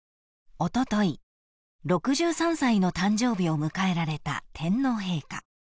［おととい６３歳の誕生日を迎えられた天皇陛下］